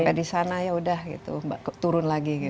sampai di sana ya udah gitu turun lagi